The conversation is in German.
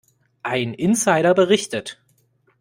Ein Insider berichtet.